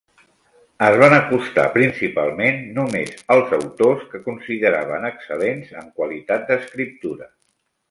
Es van acostar principalment només als autors que consideraven excel·lents en qualitat d'escriptura.